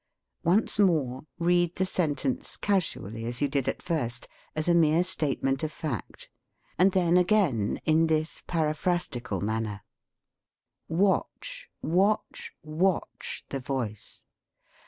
Once more read the sentence casually as you did at first, as a mere statement of fact, and then again in this paraphrastical manner. Watch, watch, watch the voice.